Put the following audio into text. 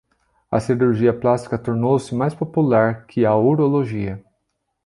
A cirurgia plástica tornou-se mais popular que a urologia.